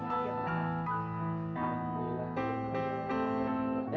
eh ada tamu